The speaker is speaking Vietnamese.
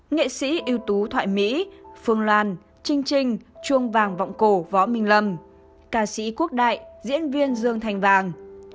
nghệ sĩ ưu tú thoại mỹ phương loan trinh trinh chuông vàng vọng cổ võ minh lâm ca sĩ quốc đại diễn viên dương thành vàng